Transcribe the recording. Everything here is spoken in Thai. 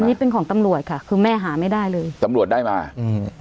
อันนี้เป็นของตำรวจค่ะคือแม่หาไม่ได้เลยตำรวจได้มาอืม